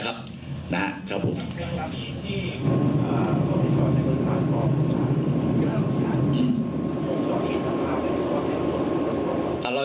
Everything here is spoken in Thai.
นะครับครับผมจากเมืองราวนี้ที่อ่าโรงพยาบาลในบริษัทของ